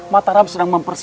mataram sedang memperbaiki